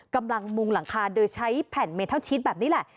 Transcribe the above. กำลังมุงหลังคาเดินใช้แผ่นเมทัลชีทแบบนี้แหละ